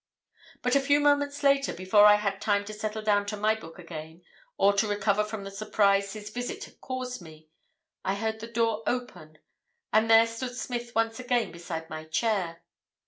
"But a few moments later, before I had time to settle down to my book again, or to recover from the surprise his visit had caused me, I heard the door open, and there stood Smith once again beside my chair.